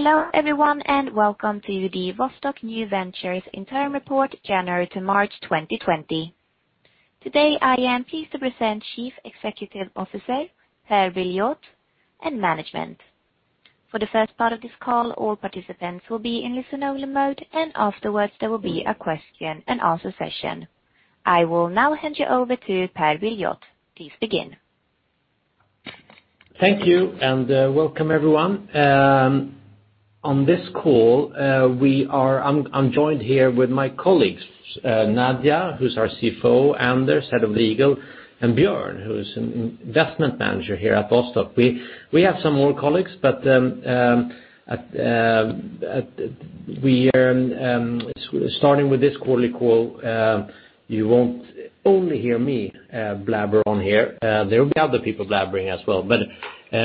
Hello everyone, welcome to the Vostok New Ventures Interim Report January to March 2020. Today, I am pleased to present Chief Executive Officer, Per Brilioth, and management. For the first part of this call, all participants will be in listen-only mode, afterwards there will be a question and answer session. I will now hand you over to Per Brilioth. Please begin. Thank you, and welcome everyone. On this call, I'm joined here with my colleagues, Nadja, who's our CFO, Anders, head of legal, and Björn, who's an investment manager here at Vostok. We have some more colleagues. Starting with this quarterly call, you won't only hear me blabber on here. There will be other people blabbering as well. We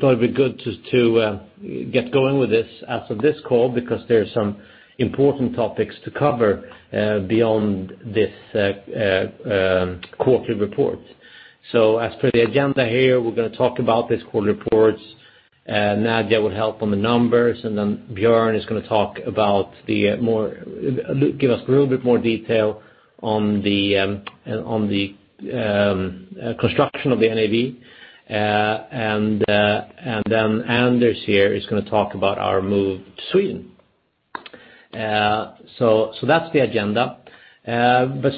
thought it'd be good to get going with this as of this call because there's some important topics to cover beyond this quarterly report. As per the agenda here, we're going to talk about this quarter reports. Nadja will help on the numbers. Björn is going to give us a little bit more detail on the construction of the VNV. Anders here is going to talk about our move to Sweden. That's the agenda.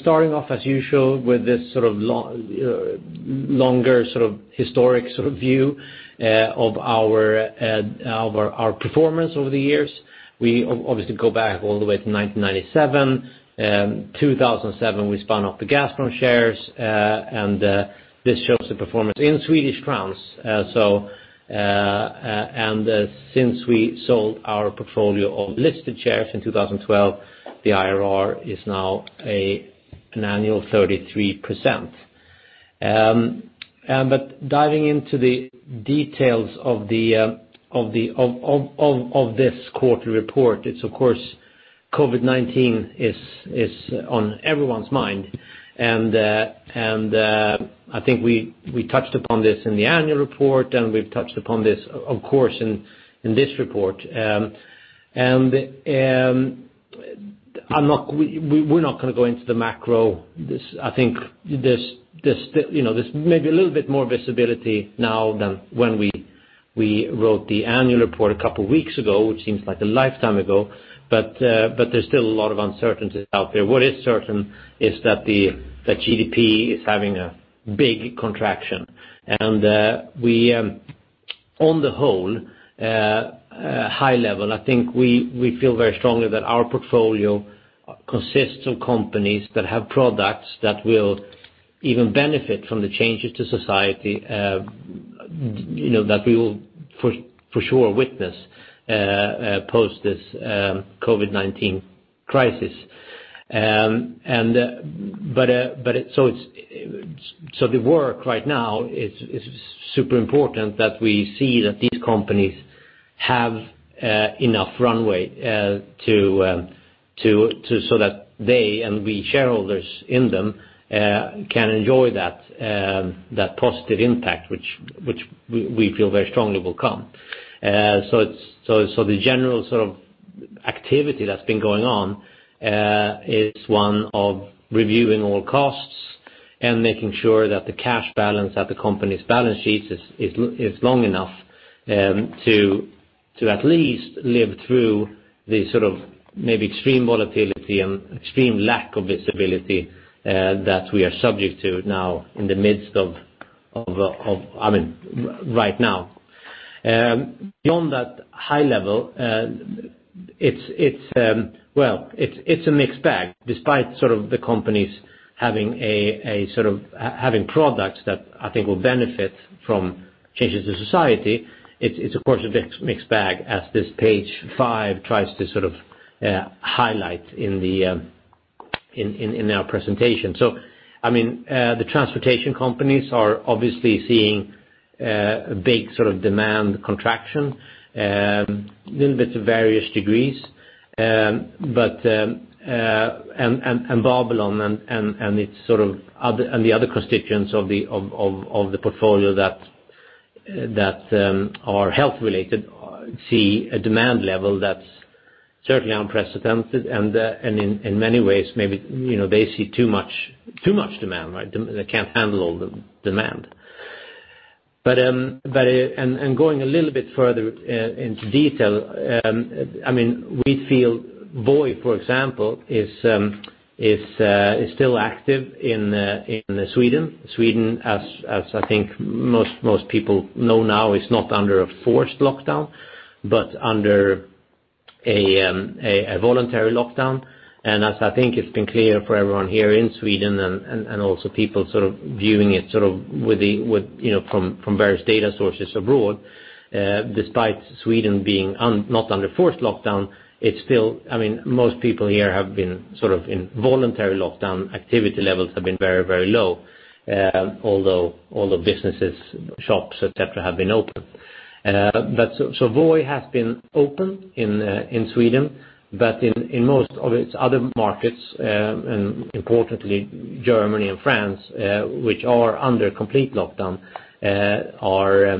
Starting off as usual with this longer historic view of our performance over the years. We obviously go back all the way to 1997. 2007, we spun off the Gazprom shares, and this shows the performance in Swedish Krona. Since we sold our portfolio of listed shares in 2012, the IRR is now an annual 33%. Diving into the details of this quarterly report, of course, COVID-19 is on everyone's mind, and I think we touched upon this in the annual report, and we've touched upon this, of course, in this report. We're not going to go into the macro. I think there's maybe a little bit more visibility now than when we wrote the annual report a couple of weeks ago, which seems like a lifetime ago, but there's still a lot of uncertainties out there. What is certain is that the GDP is having a big contraction. On the whole, high level, I think we feel very strongly that our portfolio consists of companies that have products that will even benefit from the changes to society that we will for sure witness post this COVID-19 crisis. The work right now is super important that we see that these companies have enough runway so that they, and the shareholders in them, can enjoy that positive impact which we feel very strongly will come. The general activity that's been going on is one of reviewing all costs and making sure that the cash balance at the company's balance sheets is long enough to at least live through the maybe extreme volatility and extreme lack of visibility that we are subject to right now. Beyond that high level, it's a mixed bag despite the companies having products that I think will benefit from changes to society. It's of course a mixed bag as this page five tries to highlight in our presentation. So I mean, the transportation companies are, obviously, seeing big sort of demand contraction, a little bit of various degrees. Babylon and the other constituents of the portfolio that are health related see a demand level that's certainly unprecedented and in many ways, maybe they see too much demand. They can't handle all the demand. Going a little bit further into detail, we feel Voi, for example, is still active in Sweden. Sweden, as I think most people know now, is not under a forced lockdown, but under a voluntary lockdown. As I think it's been clear for everyone here in Sweden and also people viewing it from various data sources abroad, despite Sweden being not under forced lockdown, most people here have been in voluntary lockdown. Activity levels have been very low although businesses, shops, et cetera, have been open. Voi has been open in Sweden, but in most of its other markets, and importantly Germany and France which are under complete lockdown there's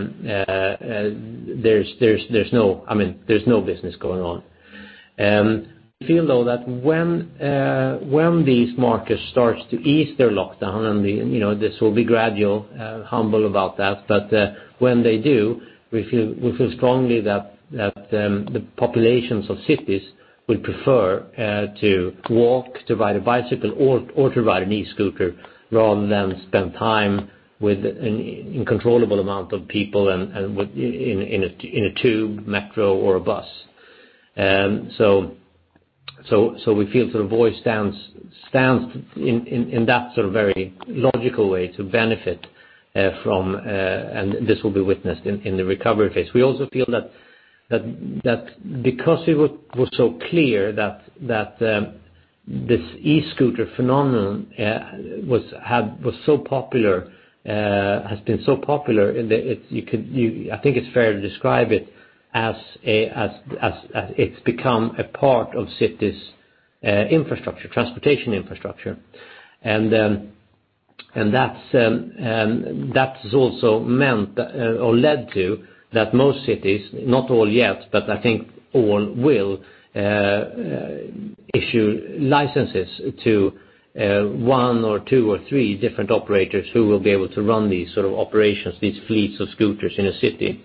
no business going on. We feel though that when these markets starts to ease their lockdown and this will be gradual, humble about that, but, when they do, we feel strongly that the populations of cities would prefer to walk, to ride a bicycle or to ride an e-scooter rather than spend time with an uncontrollable amount of people in a tube, metro or a bus. We feel Voi stands in that very logical way to benefit from. This will be witnessed in the recovery phase. We also feel that because it was so clear that this e-scooter phenomenon was so popular, has been so popular, I think it's fair to describe it as it's become a part of cities' infrastructure, transportation infrastructure. That's also meant or led to that most cities, not all yet, but I think all will issue licenses to one or two or three different operators who will be able to run these sort of operations, these fleets of scooters in a city.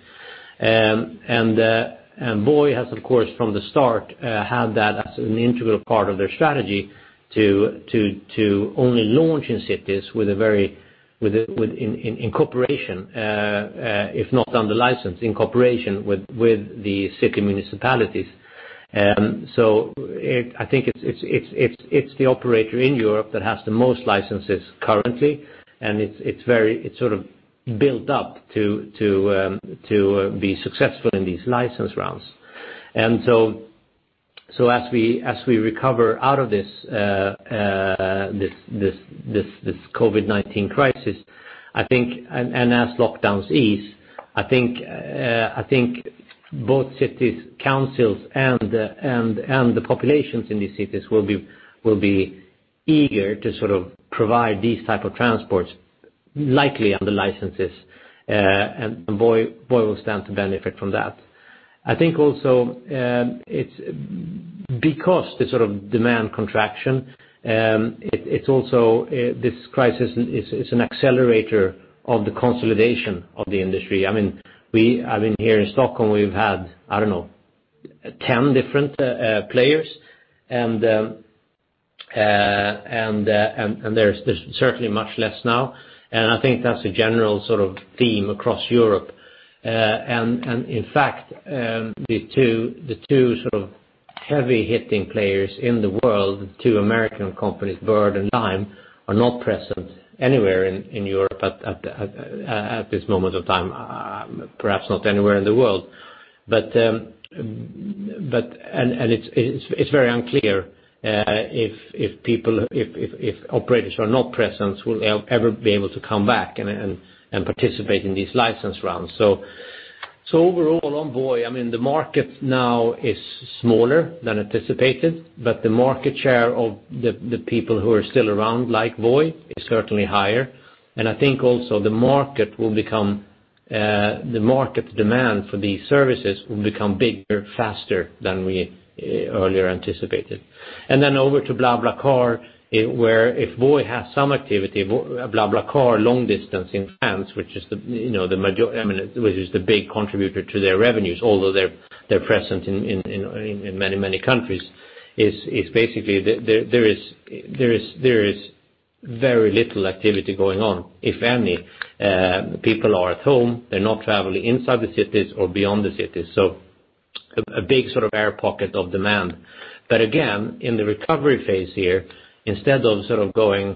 Voi has, of course, from the start, had that as an integral part of their strategy to only launch in cities in cooperation, if not under license, in cooperation with the city municipalities. I think it's the operator in Europe that has the most licenses currently, and it's sort of built up to be successful in these license rounds. As we recover out of this COVID-19 crisis, and as lockdowns ease, I think both cities' councils and the populations in these cities will be eager to provide these type of transports likely under licenses, and Voi will stand to benefit from that. I think also, it's because the demand contraction, this crisis is an accelerator of the consolidation of the industry. Here in Stockholm, we've had, I don't know, 10 different players, and there's certainly much less now. I think that's a general theme across Europe. In fact, the two heavy-hitting players in the world, two American companies, Bird and Lime, are not present anywhere in Europe at this moment of time. Perhaps not anywhere in the world. It's very unclear if operators who are not present will ever be able to come back and participate in these license rounds. Overall, on Voi, the market now is smaller than anticipated, but the market share of the people who are still around, like Voi, is certainly higher. I think also the market demand for these services will become bigger faster than we earlier anticipated. Over to BlaBlaCar, where if Voi has some activity, BlaBlaCar long distance in France, which is the big contributor to their revenues, although they're present in many, many countries, is basically there is very little activity going on, if any. People are at home, they're not traveling inside the cities or beyond the cities. A big air pocket of demand. Again, in the recovery phase here, instead of going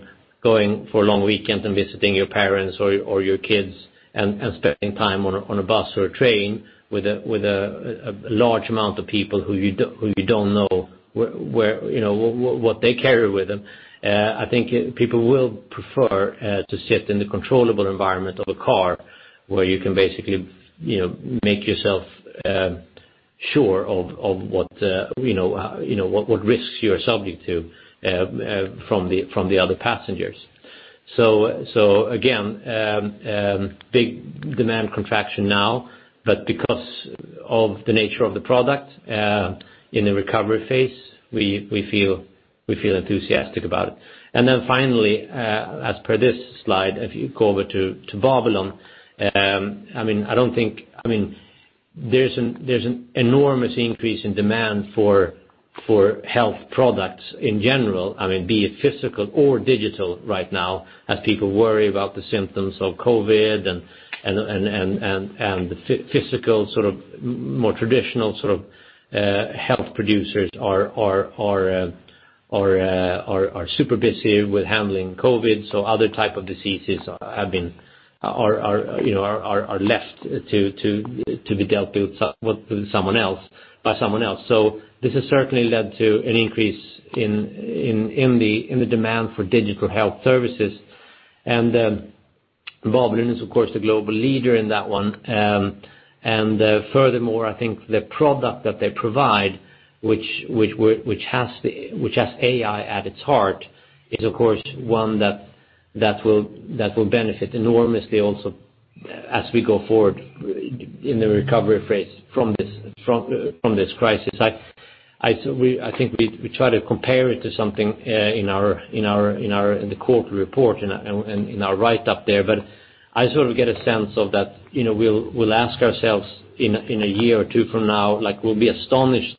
for a long weekend and visiting your parents or your kids and spending time on a bus or a train with a large amount of people who you don't know what they carry with them, I think people will prefer to sit in the controllable environment of a car where you can basically make yourself sure of what risks you are subject to from the other passengers. Again, big demand contraction now, but because of the nature of the product, in the recovery phase, we feel enthusiastic about it. Then finally, as per this slide, if you go over to Babylon. There's an enormous increase in demand for health products in general, be it physical or digital right now, as people worry about the symptoms of COVID-19 and the physical, more traditional sort of health producers are super busy with handling COVID, other type of diseases are left to be dealt with by someone else. This has certainly led to an increase in the demand for digital health services. Babylon is, of course, the global leader in that one. Furthermore, I think the product that they provide, which has AI at its heart, is of course, one that will benefit enormously also as we go forward in the recovery phase from this crisis. I think we try to compare it to something in the quarter report and in our write-up there. I sort of get a sense of that, we'll ask ourselves in a year or two from now, we'll be astonished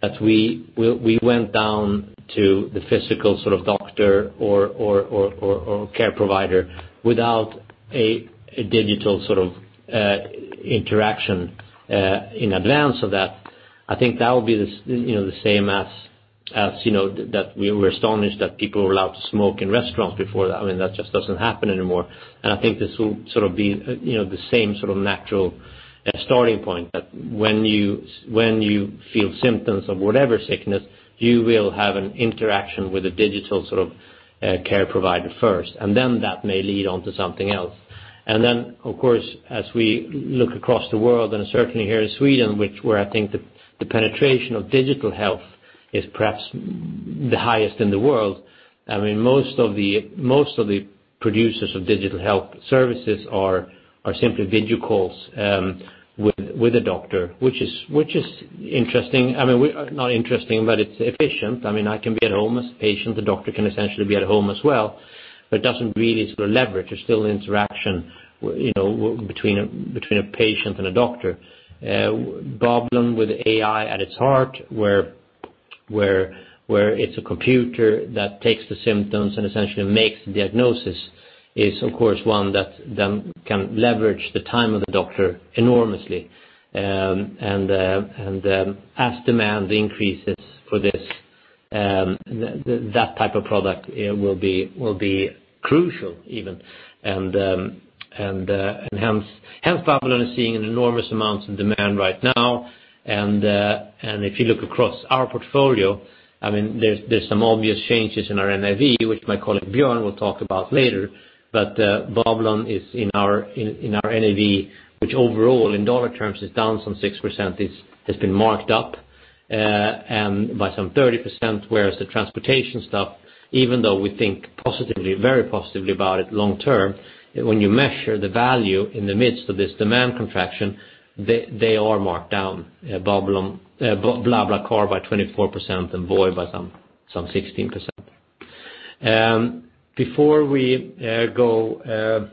that we went down to the physical doctor or care provider without a digital interaction in advance of that. I think that will be the same as that we were astonished that people were allowed to smoke in restaurants before that. That just doesn't happen anymore. I think this will be the same sort of natural starting point, that when you feel symptoms of whatever sickness, you will have an interaction with a digital sort of care provider first, and then that may lead on to something else. Of course, as we look across the world, and certainly here in Sweden, where I think the penetration of digital health is perhaps the highest in the world. Most of the producers of digital health services are simply video calls with a doctor, which is interesting. Not interesting, but it's efficient. I can be at home as a patient. The doctor can essentially be at home as well, but it doesn't really leverage. There's still interaction between a patient and a doctor. Babylon with AI at its heart, where it's a computer that takes the symptoms and essentially makes the diagnosis is, of course, one that then can leverage the time of the doctor enormously. As demand increases for this, that type of product will be crucial even. Hence Babylon is seeing an enormous amount of demand right now. If you look across our portfolio, there's some obvious changes in our NAV, which my colleague Björn will talk about later. Babylon is in our NAV, which overall in dollar terms is down 6%, has been marked up by 30%, whereas the transportation stuff, even though we think positively, very positively about it long term, when you measure the value in the midst of this demand contraction, they are marked down, BlaBlaCar by 24% and Voi by 16%. Before we go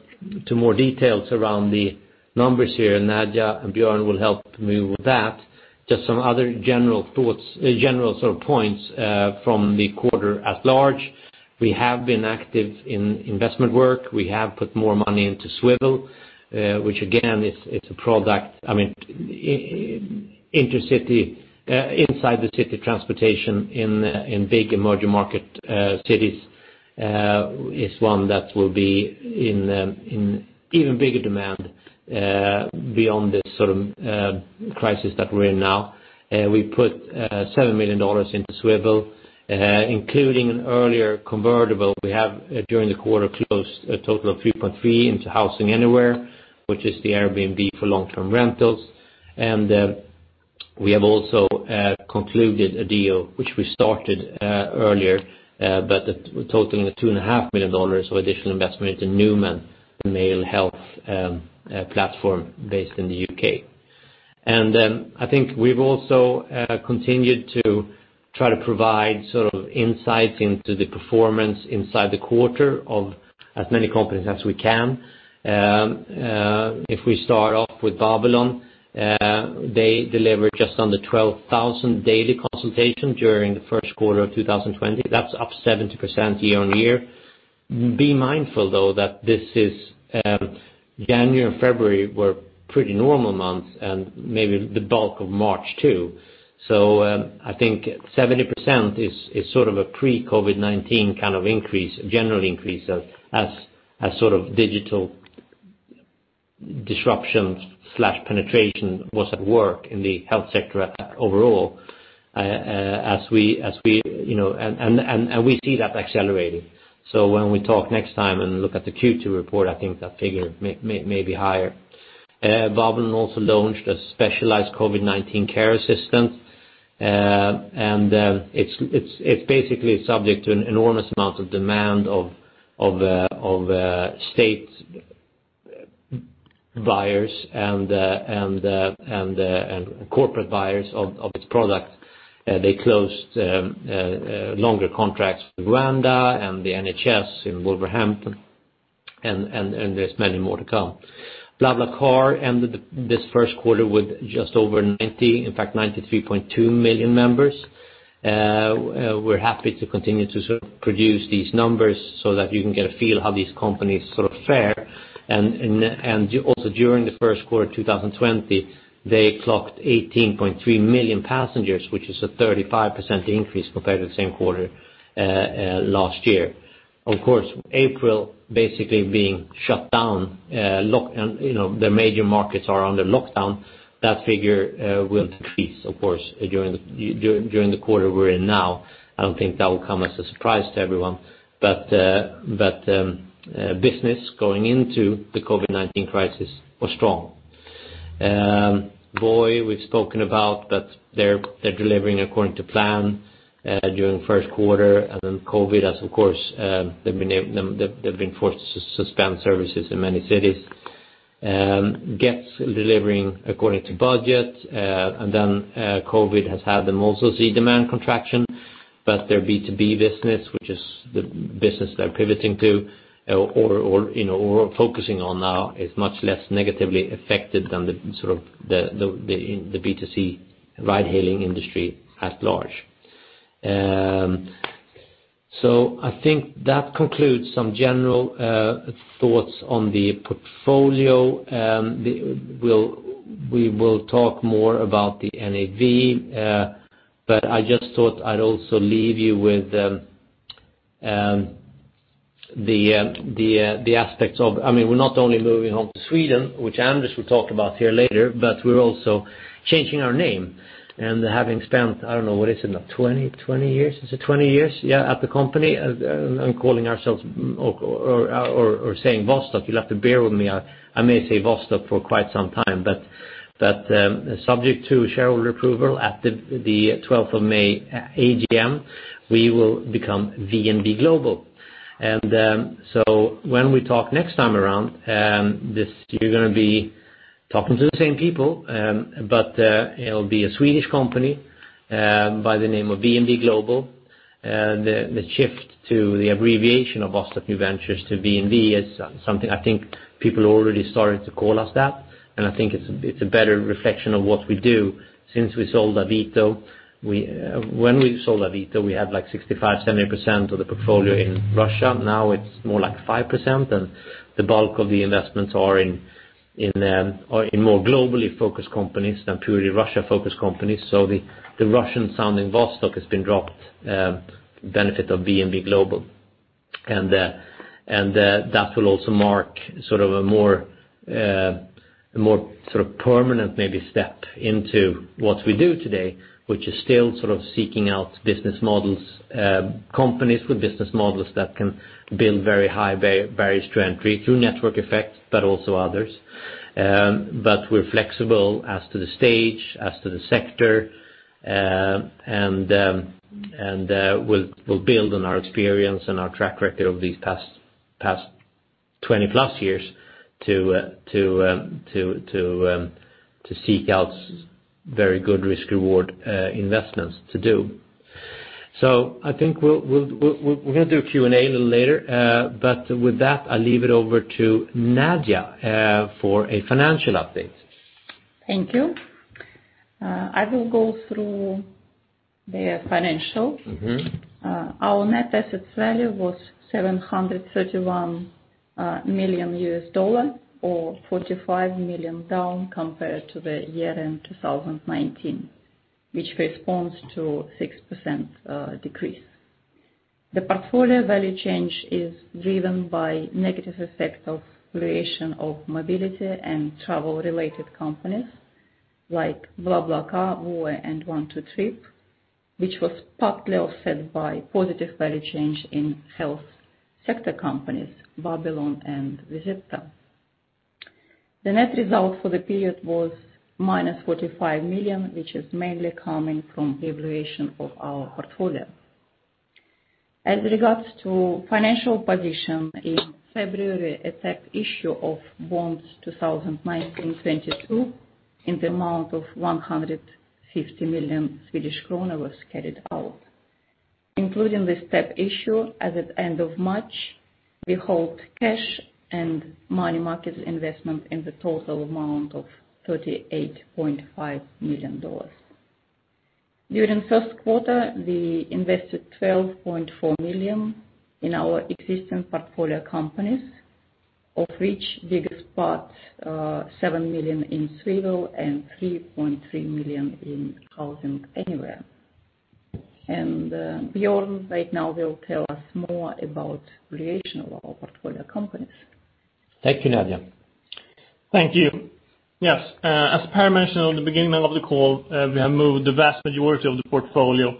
to more details around the numbers here, Nadja and Björn will help me with that. Just some other general points from the quarter at large. We have been active in investment work. We have put more money into Swvl which again it's a product inside the city transportation in big emerging market cities is one that will be in even bigger demand beyond this sort of crisis that we're in now. We put $7 million into Swvl including an earlier convertible we have during the quarter closed a total of $3.3 million into HousingAnywhere, which is the Airbnb for long-term rentals. We have also concluded a deal which we started earlier but totaling at $2.5 million of additional investment into Numan, the male health platform based in the U.K. I think we've also continued to try to provide insights into the performance inside the quarter of as many companies as we can. If we start off with Babylon, they delivered just under 12,000 daily consultations during the Q1 of 2020. That's up 70% year-over-year. Be mindful though that this is January and February were pretty normal months and maybe the bulk of March too. I think 70% is sort of a pre-COVID-19 kind of increase, general increase as sort of digital disruption/penetration was at work in the health sector overall and we see that accelerating. When we talk next time and look at the Q2 report, I think that figure may be higher. Babylon also launched a specialized COVID-19 care assistant, and it's basically subject to an enormous amount of demand of state buyers and corporate buyers of its product. They closed longer contracts with Rwanda and the NHS in Wolverhampton, and there's many more to come. BlaBlaCar ended this Q1 with just over 90, in fact, 93.2 million members. We're happy to continue to sort of produce these numbers so that you can get a feel how these companies sort of fare. During the Q1 of 2020, they clocked 18.3 million passengers, which is a 35% increase compared to the same quarter last year. Of course, April basically being shut down, their major markets are under lockdown. That figure will decrease, of course, during the quarter we're in now. I don't think that will come as a surprise to everyone. Business going into the COVID-19 crisis was strong. Voi, we've spoken about that they're delivering according to plan during the Q1. COVID has, of course, they've been forced to suspend services in many cities. Gett delivering according to budget, and then COVID has had them also see demand contraction. Their B2B business, which is the business they're pivoting to or focusing on now, is much less negatively affected than the B2C ride-hailing industry at large. I think that concludes some general thoughts on the portfolio. We will talk more about the NAV. I just thought I'd also leave you with the aspects of, we're not only moving home to Sweden, which Anders will talk about here later, but we're also changing our name. Having spent, I don't know, what is it now? 20 years? Is it 20 years? Yeah, at the company, and calling ourselves or saying Vostok, you'll have to bear with me. I may say Vostok for quite some time. Subject to shareholder approval at the 12th of May AGM, we will become VNV Global. When we talk next time around, you're going to be talking to the same people, but it'll be a Swedish company by the name of VNV Global. The shift to the abbreviation of Vostok New Ventures to VNV is something I think people already started to call us that, and I think it's a better reflection of what we do since we sold Avito. When we sold Avito, we had like 65%-70% of the portfolio in Russia. Now it's more like 5%, and the bulk of the investments are in more globally-focused companies than purely Russia-focused companies. The Russian sounding Vostok has been dropped to the benefit of VNV Global. That will also mark a more permanent maybe step into what we do today, which is still seeking out companies with business models that can build very high barriers to entry through network effects, but also others. We're flexible as to the stage, as to the sector, and we'll build on our experience and our track record of these past 20 plus years to seek out very good risk-reward investments to do. I think we're going to do a Q&A a little later. With that, I'll leave it over to Nadja for a financial update. Thank you. I will go through the financial. Our net assets value was $731 million or $45 million down compared to the year-end 2019, which corresponds to 6% decrease. The portfolio value change is driven by negative effects of valuation of mobility and travel-related companies like BlaBlaCar, Voi, and OneTwoTrip, which was partly offset by positive value change in health sector companies, Babylon and Vezeeta. The net result for the period was -$45 million, which is mainly coming from devaluation of our portfolio. As regards to financial position in February, a tap issue of bonds 2019-22 in the amount of 150 million Swedish kronor was carried out. Including this tap issue, as at end of March, we hold cash and money market investment in the total amount of $38.5 million. During Q1, we invested $12.4 million in our existing portfolio companies, of which biggest part, $7 million in Swvl and $3.3 million in HousingAnywhere. Björn right now will tell us more about valuation of our portfolio companies. Thank you, Nadja. Thank you. Yes. As Per mentioned at the beginning of the call, we have moved the vast majority of the portfolio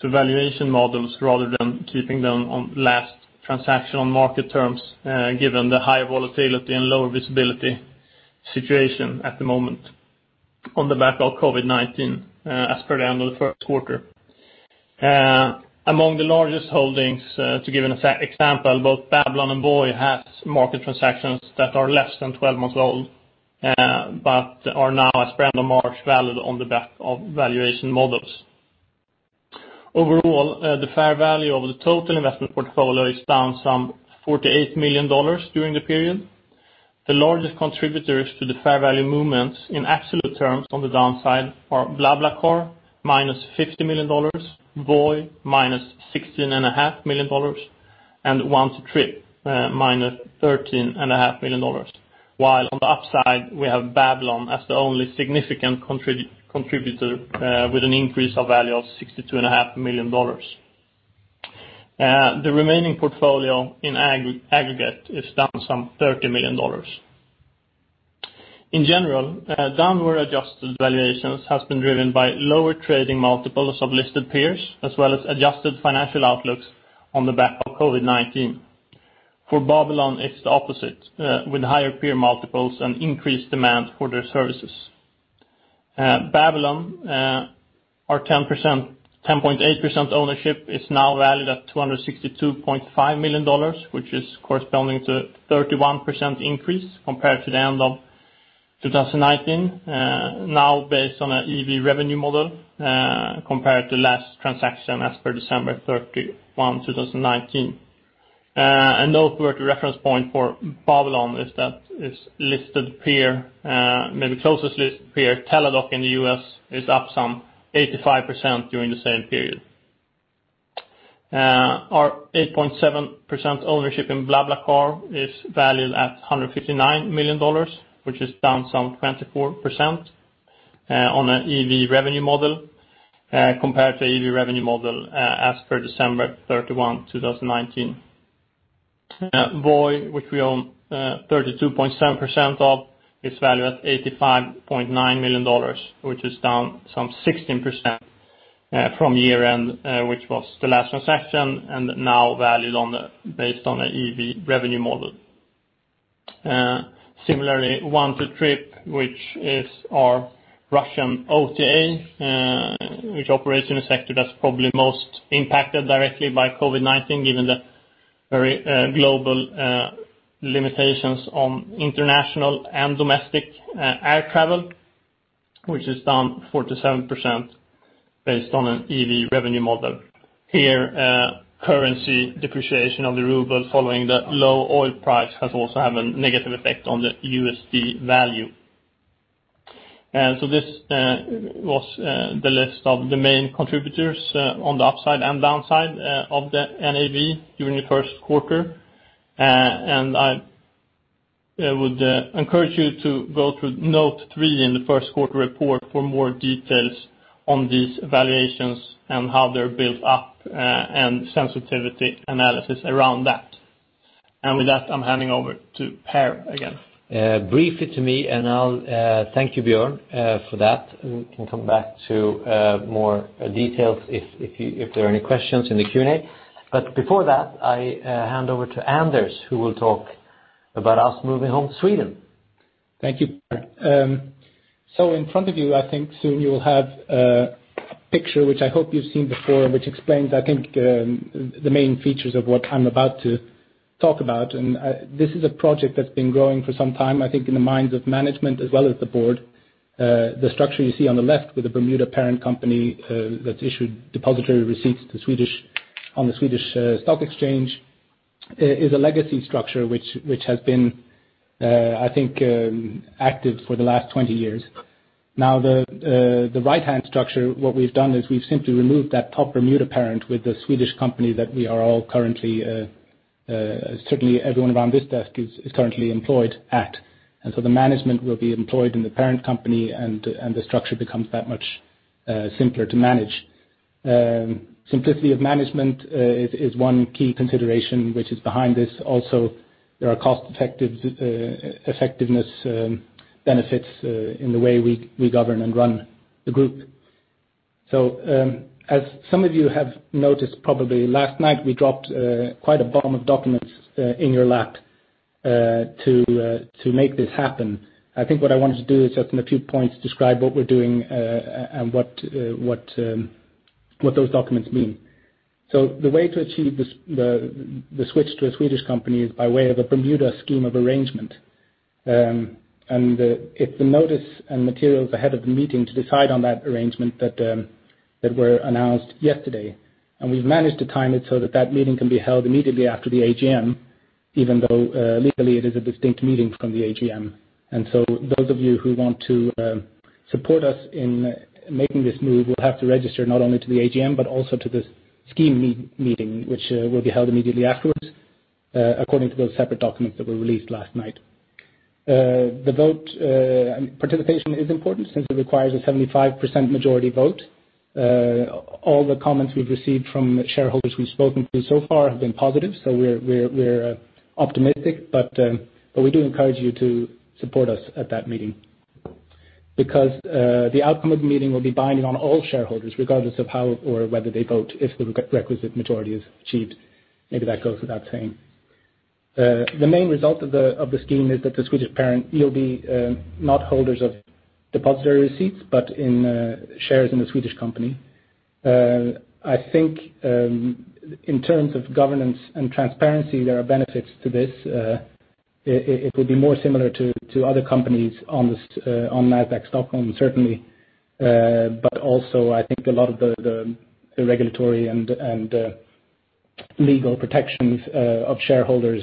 to valuation models rather than keeping them on last transaction on market terms, given the high volatility and lower visibility situation at the moment on the back of COVID-19, as per the end of the Q1. Among the largest holdings, to give an example, both Babylon and Voi have market transactions that are less than 12 months old but are now, as per end of March, valued on the back of valuation models. Overall, the fair value of the total investment portfolio is down some $48 million during the period. The largest contributors to the fair value movements in absolute terms on the downside are BlaBlaCar, -$50 million, Voi, -$16.5 million, and OneTwoTrip, -$13.5 million. While on the upside, we have Babylon as the only significant contributor with an increase of value of $62.5 million. The remaining portfolio in aggregate is down some $30 million. In general, downward adjusted valuations has been driven by lower trading multiples of listed peers, as well as adjusted financial outlooks on the back of COVID-19. For Babylon, it's the opposite, with higher peer multiples and increased demand for their services. Babylon, our 10.8% ownership is now valued at $262.5 million, which is corresponding to 31% increase compared to the end of 2019. Based on a EV revenue model, compared to last transaction as per December 31, 2019. A noteworthy reference point for Babylon is that its listed peer, maybe closest listed peer, Teladoc in the U.S., is up some 85% during the same period. Our 8.7% ownership in BlaBlaCar is valued at $159 million, which is down some 24% on an EV revenue model compared to EV revenue model as per December 31, 2019. Voi, which we own 32.7% of, is valued at $85.9 million, which is down some 16% from year-end, which was the last transaction and now valued based on an EV revenue model. Similarly, OneTwoTrip, which is our Russian OTA, which operates in a sector that is probably most impacted directly by COVID-19, given the very global limitations on international and domestic air travel, which is down 47% based on an EV revenue model. Here, currency depreciation of the ruble following the low oil price has also had a negative effect on the USD value. This was the list of the main contributors on the upside and downside of the NAV during the Q1. I would encourage you to go through note three in the Q1 report for more details on these valuations and how they're built up, and sensitivity analysis around that. With that, I'm handing over to Per again. Briefly to me, and I'll thank you, Björn, for that. We can come back to more details if there are any questions in the Q&A. Before that, I hand over to Anders, who will talk about us moving home to Sweden. Thank you, Per. In front of you, I think soon you will have a picture, which I hope you've seen before, which explains, I think, the main features of what I'm about to talk about. This is a project that's been growing for some time, I think in the minds of management as well as the board. The structure you see on the left with the Bermuda parent company that issued depository receipts on the Swedish Stock Exchange is a legacy structure which has been, I think, active for the last 20 years. The right-hand structure, what we've done is we've simply removed that top Bermuda parent with the Swedish company that certainly everyone around this desk is currently employed at. The management will be employed in the parent company and the structure becomes that much simpler to manage. Simplicity of management is one key consideration which is behind this. There are cost-effectiveness benefits in the way we govern and run the group. As some of you have noticed, probably last night, we dropped quite a bomb of documents in your lap to make this happen. I think what I wanted to do is just in a few points describe what we're doing and what those documents mean. The way to achieve the switch to a Swedish company is by way of a Bermuda scheme of arrangement. It's the notice and materials ahead of the meeting to decide on that arrangement that were announced yesterday. We've managed to time it so that that meeting can be held immediately after the AGM, even though legally it is a distinct meeting from the AGM. Those of you who want to support us in making this move will have to register not only to the AGM, but also to the scheme meeting, which will be held immediately afterwards, according to those separate documents that were released last night. The vote participation is important since it requires a 75% majority vote. All the comments we've received from shareholders we've spoken to so far have been positive, so we're optimistic, but we do encourage you to support us at that meeting. The outcome of the meeting will be binding on all shareholders, regardless of how or whether they vote, if the requisite majority is achieved. Maybe that goes without saying. The main result of the scheme is that the Swedish parent, you'll be not holders of depository receipts, but in shares in the Swedish company. I think in terms of governance and transparency, there are benefits to this. It will be more similar to other companies on Nasdaq Stockholm, certainly, but also I think a lot of the regulatory and legal protections of shareholders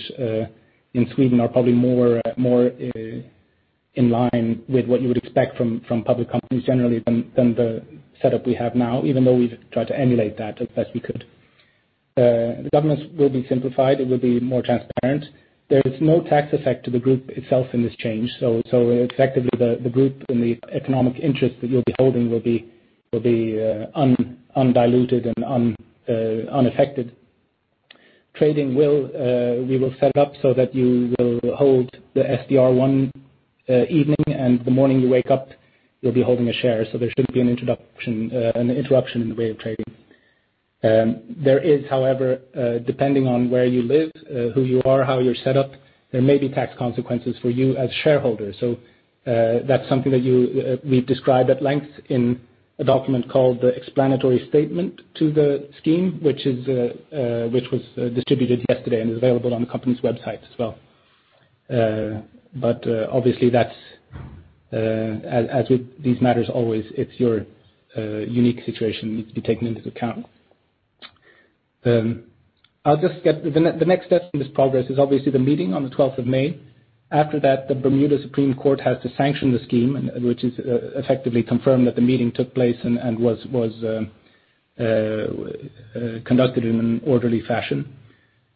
in Sweden are probably more in line with what you would expect from public companies generally than the setup we have now, even though we've tried to emulate that as best we could. The governance will be simplified. It will be more transparent. There is no tax effect to the group itself in this change, so effectively the group and the economic interest that you'll be holding will be undiluted and unaffected. Trading, we will set up so that you will hold the SDR one evening, and the morning you wake up, you'll be holding a share, so there should be no interruption in the way of trading. Depending on where you live, who you are, how you're set up, there may be tax consequences for you as shareholders. That's something that we've described at length in a document called the Explanatory Statement to the Scheme, which was distributed yesterday and is available on the company's website as well. Obviously as with these matters always, your unique situation needs to be taken into account. The next step in this progress is obviously the meeting on the 12th of May. After that, the Bermuda Supreme Court has to sanction the Scheme, which is effectively confirm that the meeting took place and was conducted in an orderly fashion.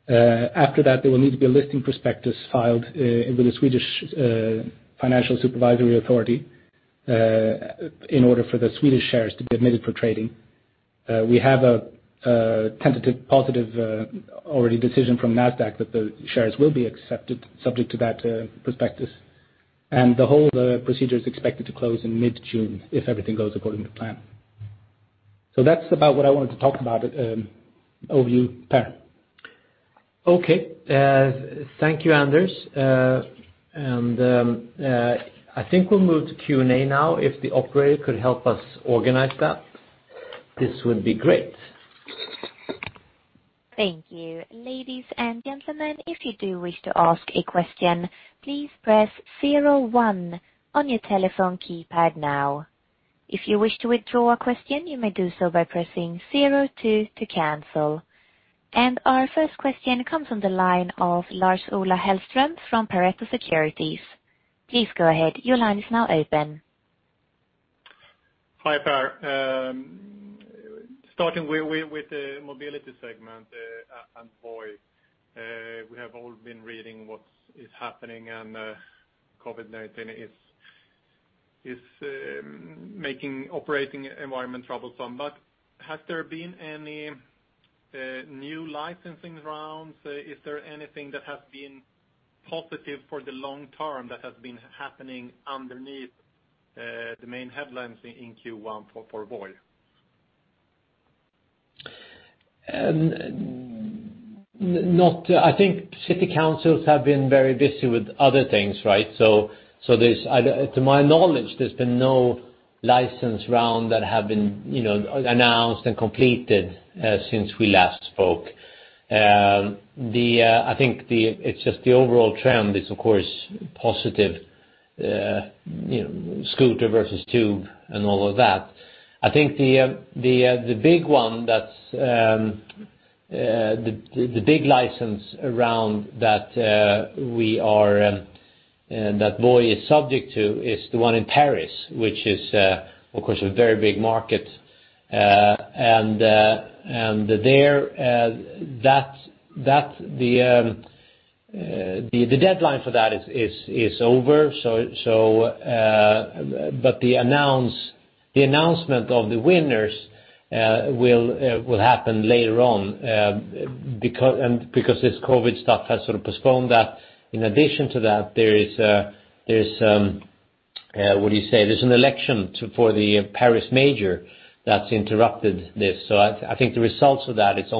After that, there will need to be a listing prospectus filed with the Swedish Financial Supervisory Authority, in order for the Swedish shares to be admitted for trading. We have a tentative positive already decision from Nasdaq that the shares will be accepted subject to that prospectus. The whole procedure is expected to close in mid-June if everything goes according to plan. That's about what I wanted to talk about, overview, Per. Okay. Thank you, Anders. I think we'll move to Q&A now. If the operator could help us organize that, this would be great. Thank you. Ladies and gentlemen, if you do wish to ask a question, please press zero one on your telephone keypad now. If you wish to withdraw a question, you may do so by pressing zero two to cancel. Our first question comes from the line of Lars-Ola Hellström from Pareto Securities. Please go ahead. Your line is now open. Hi, Per. Starting with the mobility segment, and Voi. We have all been reading what is happening and COVID-19 is making operating environment troublesome, but has there been any new licensing rounds? Is there anything that has been positive for the long term that has been happening underneath the main headlines in Q1 for Voi? I think city councils have been very busy with other things, right? To my knowledge, there's been no license round that have been announced and completed since we last spoke. I think it's just the overall trend is of course positive, scooter versus tube and all of that. I think the big license around that Voi is subject to is the one in Paris, which is of course, a very big market. The deadline for that is over. The announcement of the winners will happen later on, because this COVID stuff has sort of postponed that. In addition to that, there's an election for the Paris mayor that's interrupted this. I think the results of that, it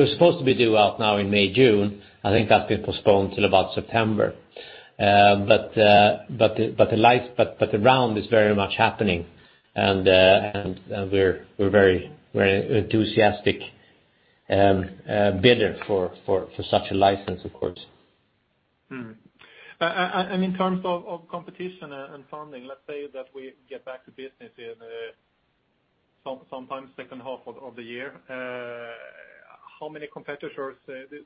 was supposed to be due out now in May, June. I think that's been postponed till about September. The round is very much happening and we're a very enthusiastic bidder for such a license, of course. In terms of competition and funding, let's say that we get back to business in sometime second half of the year. Do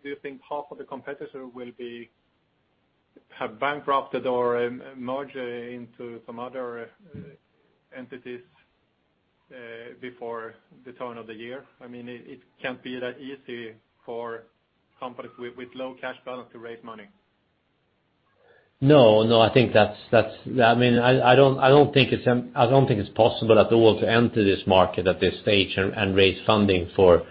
you think half of the competitor will have bankrupted or merged into some other entities before the turn of the year? It can't be that easy for companies with low cash balance to raise money. No. I don't think it's possible at all to enter this market at this stage and raise funding for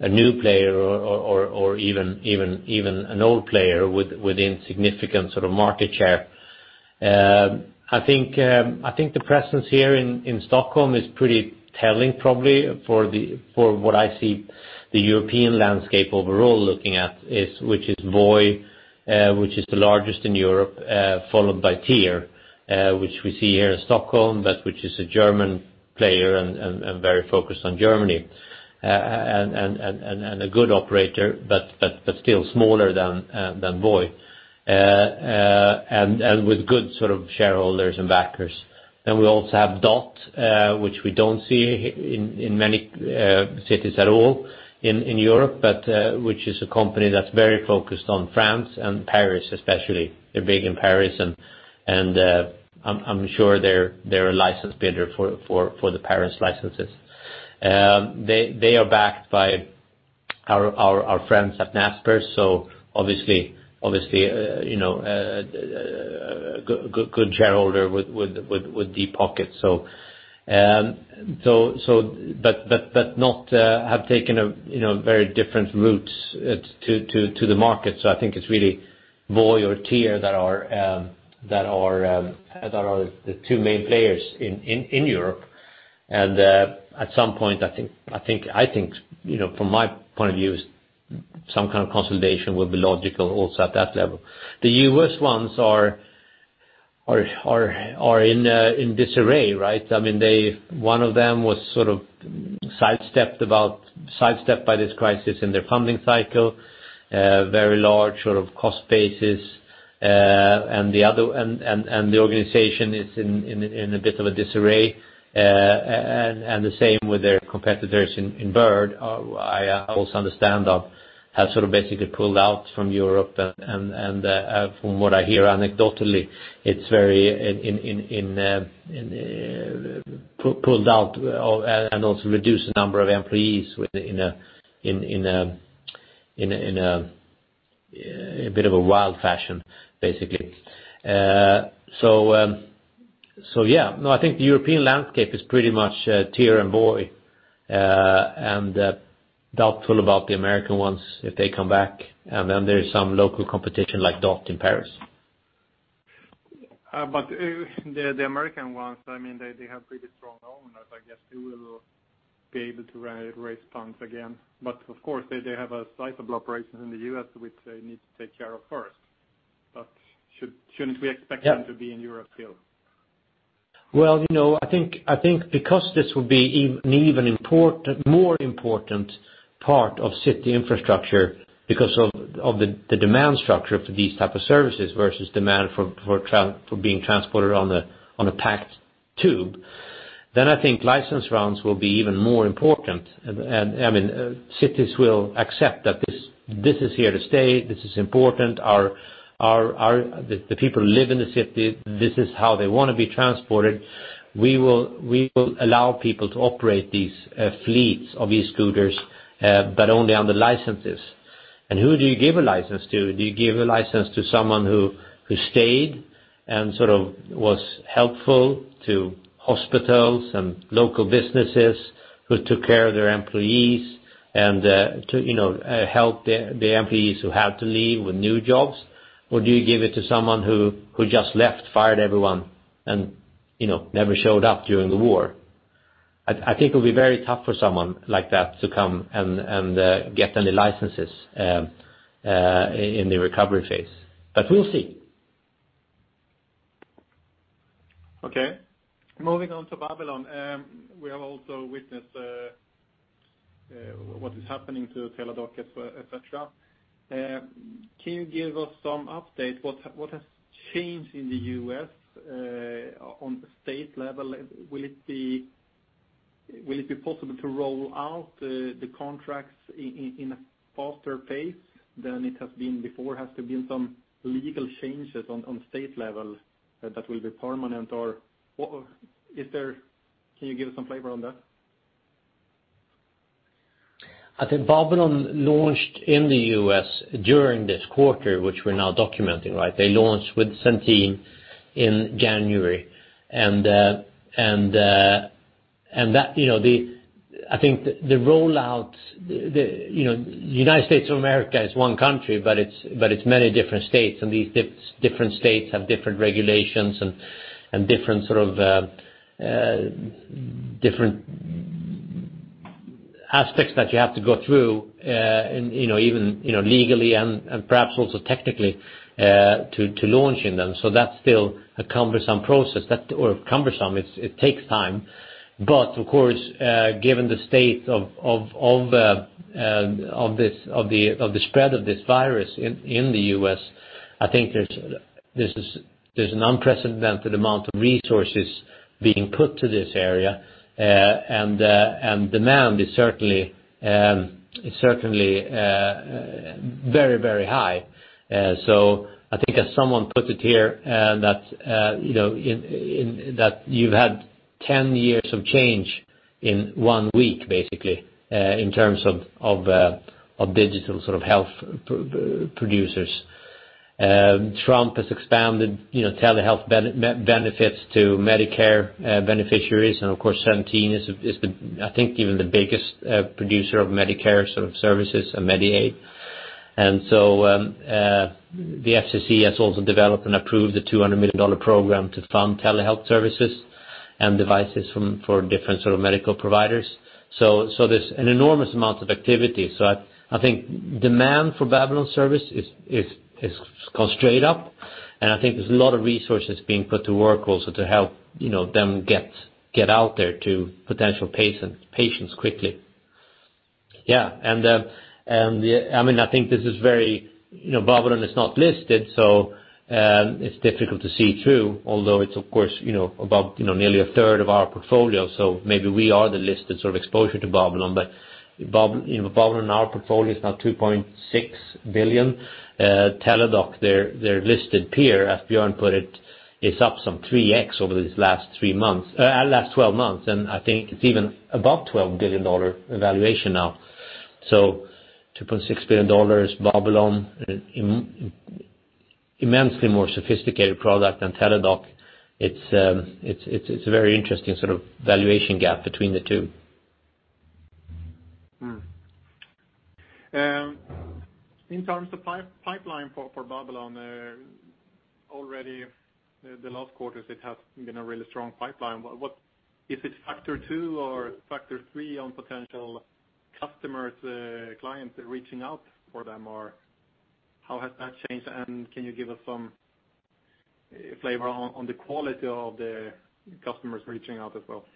a new player or even an old player with insignificant sort of market share. I think the presence here in Stockholm is pretty telling probably for what I see the European landscape overall looking at, which is Voi, which is the largest in Europe, followed by TIER, which we see here in Stockholm, but which is a German player and very focused on Germany. A good operator, but still smaller than Voi, and with good sort of shareholders and backers. We also have Dott, which we don't see in many cities at all in Europe, but which is a company that's very focused on France and Paris especially. They're big in Paris and I'm sure they're a license bidder for the Paris licenses. They are backed by our friends at Naspers, obviously, a good shareholder with deep pockets. Not have taken very different routes to the market. I think it's really Voi or TIER that are the two main players in Europe. At some point, I think from my point of view, some kind of consolidation will be logical also at that level. The U.S. ones are in disarray, right? One of them was sort of sidestepped by this crisis in their funding cycle, very large sort of cost bases. The organization is in a bit of a disarray, and the same with their competitors in Bird, I also understand, have sort of basically pulled out from Europe and from what I hear anecdotally, it's very pulled out and also reduced the number of employees in a bit of a wild fashion, basically. Yeah. No, I think the European landscape is pretty much TIER and Voi, and doubtful about the American ones if they come back. Then there is some local competition like Dott in Paris. The American ones, they have pretty strong owners. I guess they will be able to raise funds again. Of course, they have a sizable operation in the U.S., which they need to take care of first. Shouldn't we expect them to be in Europe still? Well, I think because this will be an even more important part of city infrastructure because of the demand structure for these type of services versus demand for being transported on a packed tube, then I think license rounds will be even more important. Cities will accept that this is here to stay, this is important. The people live in the city, this is how they want to be transported. We will allow people to operate these fleets of e-scooters, but only under licenses. Who do you give a license to? Do you give a license to someone who stayed and sort of was helpful to hospitals and local businesses, who took care of their employees, and helped the employees who had to leave with new jobs? Do you give it to someone who just left, fired everyone, and never showed up during the war? I think it will be very tough for someone like that to come and get any licenses in the recovery phase. We'll see. Okay. Moving on to Babylon. We have also witnessed what is happening to Teladoc, et cetera. Can you give us some update? What has changed in the U.S. on the state level? Will it be possible to roll out the contracts in a faster pace than it has been before? Has there been some legal changes on state level that will be permanent? Can you give us some flavor on that? I think Babylon launched in the U.S. during this quarter, which we're now documenting, right? They launched with Centene in January. I think the rollout, United States of America is one country, but it's many different states, and these different states have different regulations and different aspects that you have to go through, even legally and perhaps also technically, to launch in them. That's still a cumbersome process. Cumbersome, it takes time. Of course, given the state of the spread of this virus in the U.S., I think there's an unprecedented amount of resources being put to this area, and demand is certainly very, very high. I think as someone put it here, that you've had 10 years of change in one week, basically, in terms of digital sort of health producers. Trump has expanded telehealth benefits to Medicare beneficiaries. Of course, Centene is I think even the biggest producer of Medicare sort of services and Medicaid. The FCC has also developed and approved a $200 million program to fund telehealth services and devices for different sort of medical providers. There's an enormous amount of activity. I think demand for Babylon service has gone straight up, and I think there's a lot of resources being put to work also to help them get out there to potential patients quickly. Yeah. Babylon is not listed, so it's difficult to see through, although it's of course nearly a third of our portfolio, so maybe we are the listed sort of exposure to Babylon. Babylon in our portfolio is now $2.6 billion. Teladoc, their listed peer, as Björn put it, is up some 3x over these last 12 months, and I think it's even above $12 billion valuation now. $2.6 billion, Babylon immensely more sophisticated product than Teladoc, it's a very interesting sort of valuation gap between the two. In terms of pipeline for Babylon, already the last quarters it has been a really strong pipeline. Is it factor two or factor three on potential customers, clients reaching out for them, or how has that changed? Can you give us some flavor on the quality of the customers reaching out as well?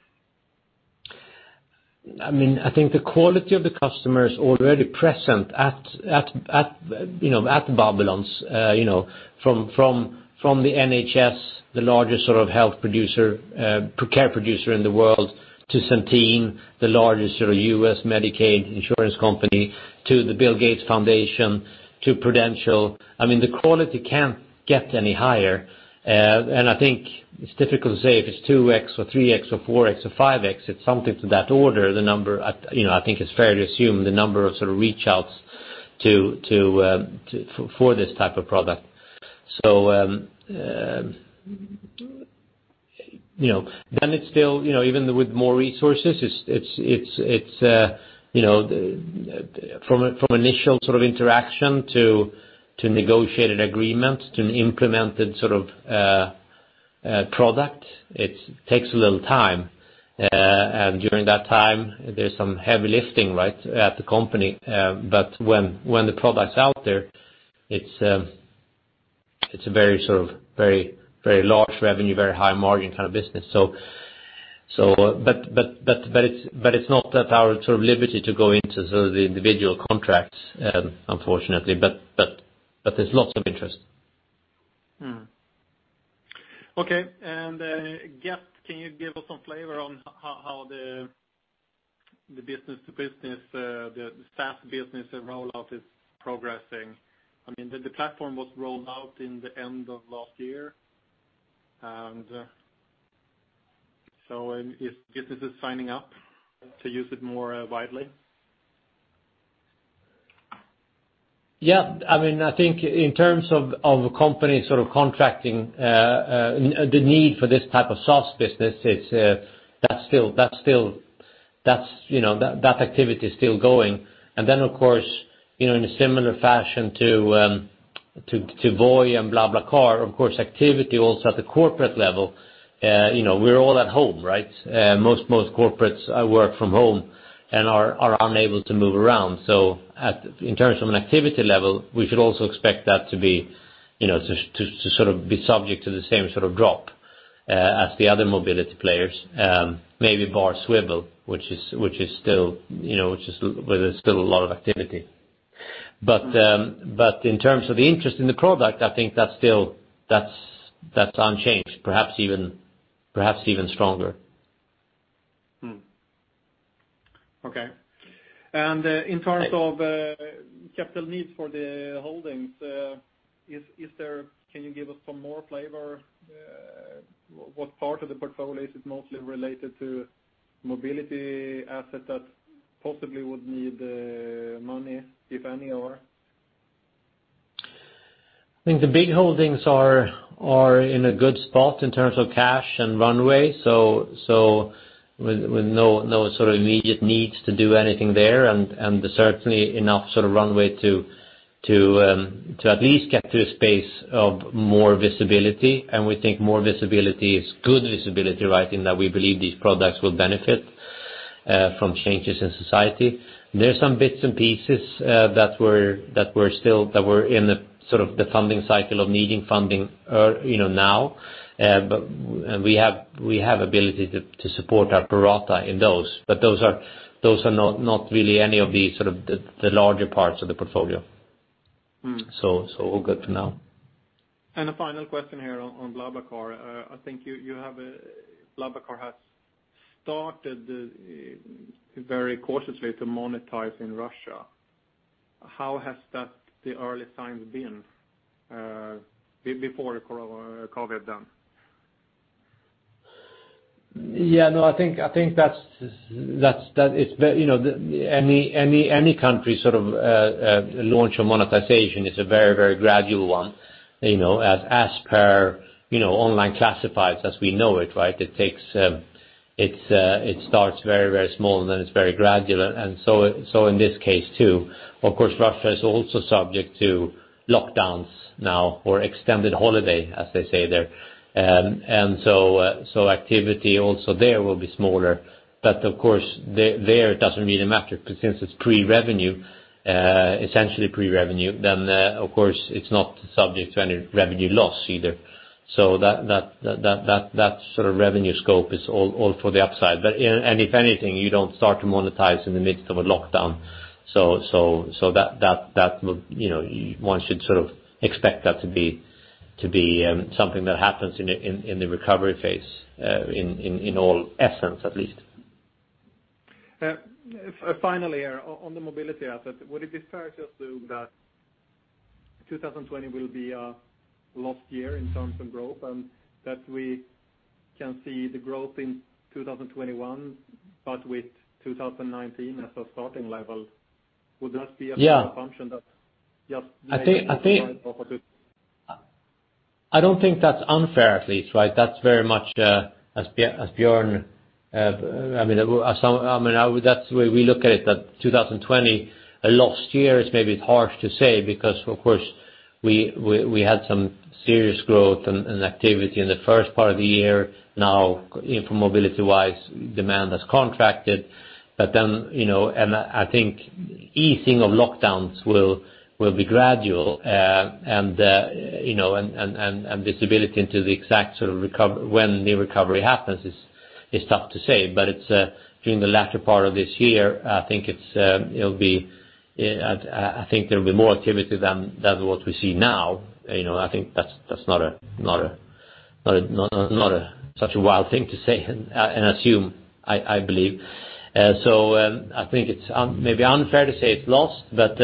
I think the quality of the customer is already present at Babylon. From the NHS, the largest sort of health care producer in the world, to Centene, the largest U.S. Medicaid insurance company, to the Bill Gates Foundation, to Prudential. The quality can't get any higher. I think it's difficult to say if it's 2x or 3x or 4x or 5x, it's something to that order, the number, I think it's fair to assume the number of sort of reach outs for this type of product. Then it's still, even with more resources, from initial sort of interaction to negotiated agreement to an implemented sort of product, it takes a little time. During that time, there's some heavy lifting at the company. When the product's out there, it's a very large revenue, very high margin kind of business. It's not at our sort of liberty to go into sort of the individual contracts, unfortunately. There's lots of interest. Okay. Gett, can you give us some flavor on how the business-to-business, the SaaS business rollout is progressing? The platform was rolled out in the end of last year, businesses signing up to use it more widely? I think in terms of company sort of contracting, the need for this type of SaaS business, that activity is still going. Of course, in a similar fashion to Voi and BlaBlaCar, of course, activity also at the corporate level, we're all at home, right? Most corporates work from home and are unable to move around. In terms of an activity level, we should also expect that to sort of be subject to the same sort of drop as the other mobility players. Maybe for Swvl, where there's still a lot of activity. In terms of interest in the product, I think that's unchanged. Perhaps even stronger. Okay. In terms of capital needs for the holdings, can you give us some more flavor? What part of the portfolio is it mostly related to mobility assets that possibly would need money, if any, or? I think the big holdings are in a good spot in terms of cash and runway. With no sort of immediate needs to do anything there's certainly enough sort of runway to at least get to a space of more visibility. We think more visibility is good visibility, in that we believe these products will benefit from changes in society. There are some bits and pieces that were in the sort of the funding cycle of needing funding now. We have ability to support our pro rata in those. Those are not really any of the sort of the larger parts of the portfolio. All good for now. A final question here on BlaBlaCar. I think BlaBlaCar has started very cautiously to monetize in Russia. How has the early signs been before COVID then? Yeah, no, I think any country sort of launch a monetization is a very, very gradual one, as per online classifieds as we know it. It starts very, very small, then it's very gradual. In this case, too, of course, Russia is also subject to lockdowns now or extended holiday, as they say there. Activity also there will be smaller. Of course, there it doesn't really matter because since it's essentially pre-revenue, of course it's not subject to any revenue loss either. That sort of revenue scope is all for the upside. If anything, you don't start to monetize in the midst of a lockdown. One should sort of expect that to be something that happens in the recovery phase, in all essence at least. Finally, on the mobility asset, would it be fair to assume that 2020 will be a lost year in terms of growth, that we can see the growth in 2021, with 2019 as a starting level, would that be? Yeah Fair assumption that just maybe? I don't think that's unfair, at least, right? That's very much as Björn, that's the way we look at it, that 2020, a lost year is maybe harsh to say because, of course, we had some serious growth and activity in the first part of the year. Mobility-wise, demand has contracted. I think easing of lockdowns will be gradual, and visibility into the exact sort of when the recovery happens is tough to say. During the latter part of this year, I think there'll be more activity than what we see now. I think that's not such a wild thing to say and assume, I believe. I think it's maybe unfair to say it's lost, but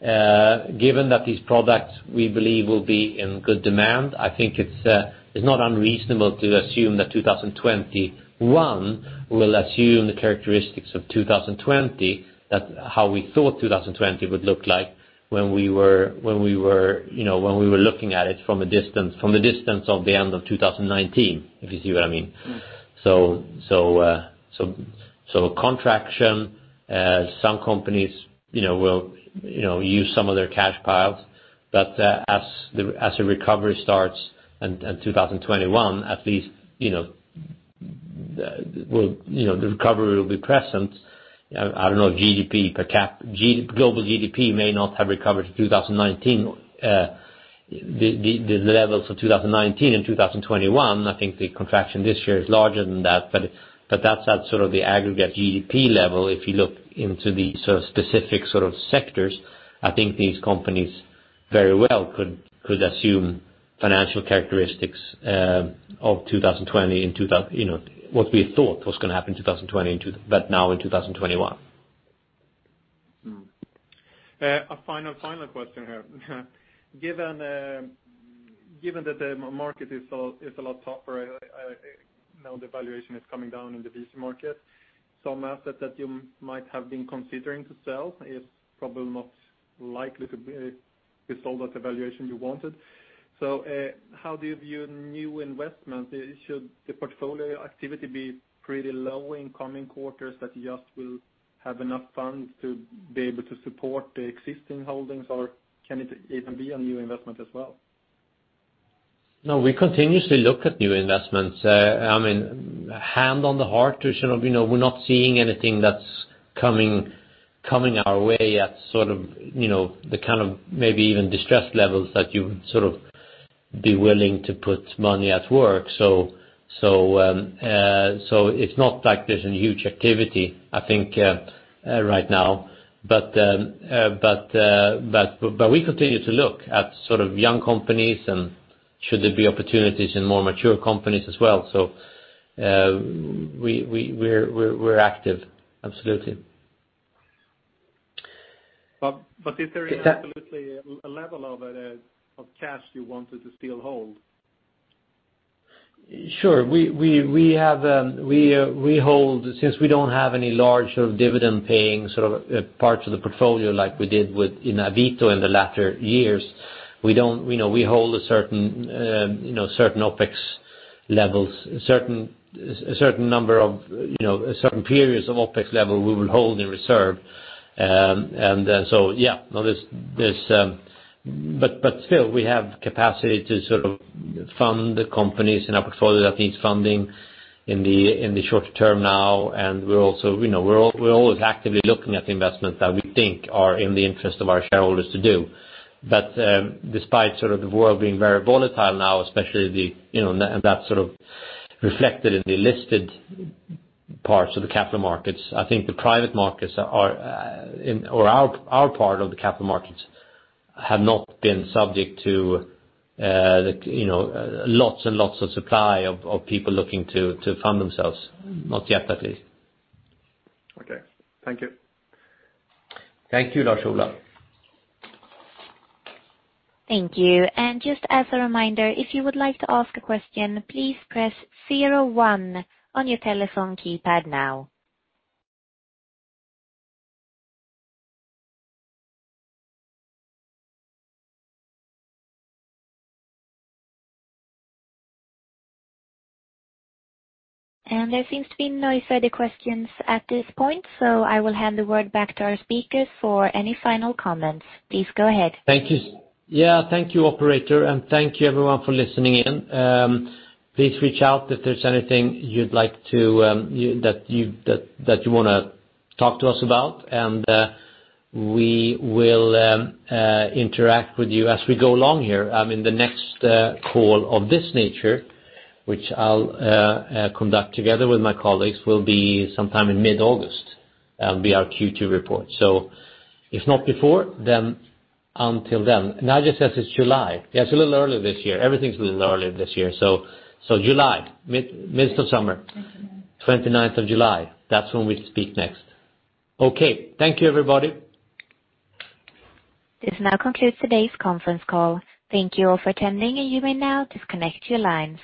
given that these products we believe will be in good demand, I think it's not unreasonable to assume that 2021 will assume the characteristics of 2020. That how we thought 2020 would look like when we were looking at it from the distance of the end of 2019, if you see what I mean. Contraction, some companies will use some of their cash piles. As the recovery starts in 2021, at least, the recovery will be present. I don't know if global GDP may not have recovered to the levels of 2019 in 2021. I think the contraction this year is larger than that, but that's sort of the aggregate GDP level. If you look into the specific sort of sectors, I think these companies very well could assume financial characteristics of 2020, what we thought was going to happen in 2020 but now in 2021. A final question here. Given that the market is a lot tougher, now the valuation is coming down in the VC market. Some assets that you might have been considering to sell is probably not likely to be sold at the valuation you wanted. How do you view new investment? Should the portfolio activity be pretty low in coming quarters that you just will have enough funds to be able to support the existing holdings, or can it even be a new investment as well? No, we continuously look at new investments. Hand on the heart, we're not seeing anything that's coming our way at the kind of maybe even distressed levels that you'd sort of be willing to put money at work. It's not like there's a huge activity, I think, right now. We continue to look at young companies and should there be opportunities in more mature companies as well. We're active, absolutely. Is there absolutely a level of cash you wanted to still hold? Sure. Since we don't have any large sort of dividend-paying parts of the portfolio like we did with Avito in the latter years, we hold a certain OpEx levels, a certain periods of OpEx level we will hold in reserve. Yeah. Still, we have capacity to sort of fund the companies in our portfolio that needs funding in the shorter term now, and we're always actively looking at the investments that we think are in the interest of our shareholders to do. Despite the world being very volatile now, and that's sort of reflected in the listed parts of the capital markets, I think the private markets or our part of the capital markets have not been subject to lots and lots of supply of people looking to fund themselves. Not yet, at least. Okay. Thank you. Thank you, Lars-Ola. Thank you. Just as a reminder, if you would like to ask a question, please press zero one on your telephone keypad now. There seems to be no further questions at this point, so I will hand the word back to our speakers for any final comments. Please go ahead. Thank you. Yeah. Thank you, operator, and thank you everyone for listening in. Please reach out if there's anything that you want to talk to us about, and we will interact with you as we go along here. The next call of this nature, which I'll conduct together with my colleagues, will be sometime in mid-August. That'll be our Q2 report. If not before, then until then. Nadja says it's July. Yeah, it's a little earlier this year. Everything's a little earlier this year. July, midsummer 29th of July. That's when we speak next. Okay. Thank you, everybody. This now concludes today's conference call. Thank you all for attending and you may now disconnect your lines.